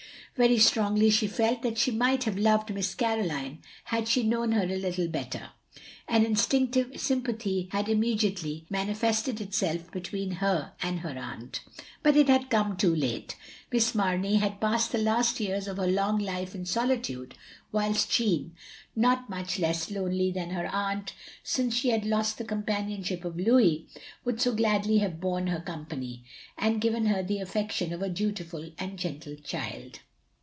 Very strongly she felt that she might have loved Miss Caroline had she known her a little better. An instinctive sympathy had immedi ately manifested itself between her and her atmt. But it had come too late. Miss Mamey had passed the last years of her long life in solitude. OP GROSVENOR SQUARE 59 whilst Jeanne, — ^not much less lonely than her aunt, since she had lost the companionship of Louis — would so gladly have bome her company, and given her the affection of a dutiful and gentle child.